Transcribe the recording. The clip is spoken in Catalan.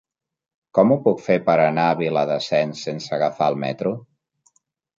Com ho puc fer per anar a Viladasens sense agafar el metro?